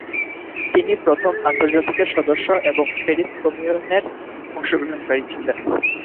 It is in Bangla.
তিনি প্রথম আন্তর্জাতিকের সদস্য এবং প্যারিস কমিউনের অংশগ্রহণকারী ছিলেন।